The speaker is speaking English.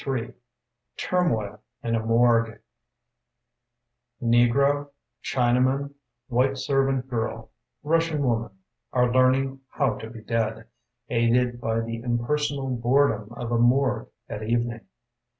TURMOIL IN A MORGUE NEGRO, Chinaman, White servant girl, Russian woman, Are learning how to be dead, Aided by the impersonal boredom Of a morgue at evening.